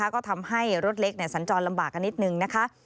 ก็ทำให้รถเล็กสัญจรลำบากกันนิดนึงนะคะ